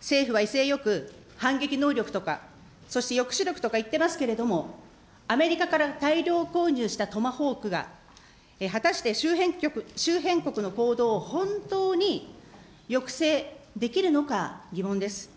政府は威勢よく、反撃能力とか、そして抑止力とか言ってますけれども、アメリカから大量購入したトマホークが、果たして周辺国の行動を本当に抑制できるのか疑問です。